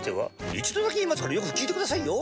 一度だけ言いますからよく聞いてくださいよ。